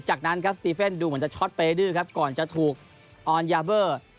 จากนั้นครับสตีเฟนดูเหมือนจะช็อตไปดื้อครับก่อนจะถูกออนยาเบอร์